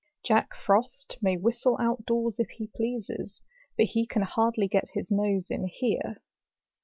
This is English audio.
Jack Frost may wliisle out doors if he pleases, but he can hardly get his nose in here.